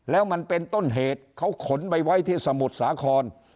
แล้วมันเป็นต้นเหตุเขาขนไปไว้ที่สมุทรสาคร